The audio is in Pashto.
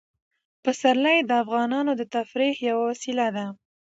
پسرلی د افغانانو د تفریح یوه وسیله ده.